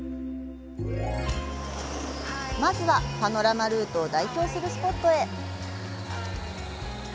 まずはパノラマルートを代表するスポットへ。